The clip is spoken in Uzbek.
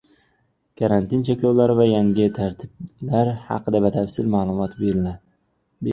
Karantin cheklovlari va yangi tartiblar haqida batafsil ma’lumot berildi